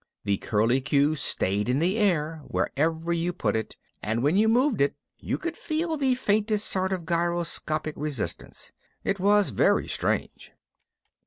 The curlicue stayed in the air wherever you put it and when you moved it you could feel the faintest sort of gyroscopic resistance. It was very strange.